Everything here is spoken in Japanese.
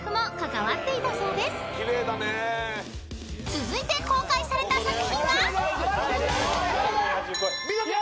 ［続いて公開された作品は？］